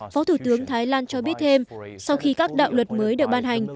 phó thủ tướng thái lan cho biết thêm sau khi các đạo luật mới được ban hành